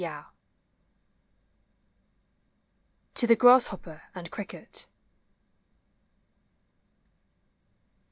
339 TO THE GRASSHOPPER AND CRICKET.